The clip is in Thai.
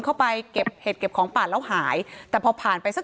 เข้าไปเก็บเห็ดเก็บของป่าแล้วหายแต่พอผ่านไปสัก